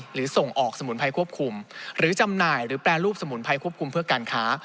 ส่งออกสมุนไพรควบคุมหรือจำหน่ายหรือแปรรูปสมุนไพรควบคุมเพื่อการค้า